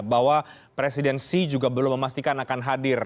bahwa presiden xi juga belum memastikan akan hadir